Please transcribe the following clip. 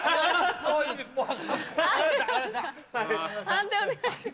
判定お願いします。